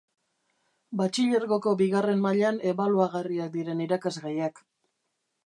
Batxilergoko bigarren mailan ebaluagarriak diren irakasgaiak